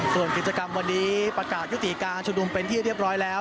ส่วนกิจกรรมวันนี้ประกาศยุติการชุมนุมเป็นที่เรียบร้อยแล้ว